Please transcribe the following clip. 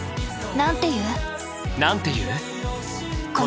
なんて言う？